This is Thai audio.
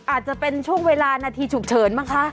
อาจจะเป็นช่วงเวลานาทีฉุกเฉินบ้างคะ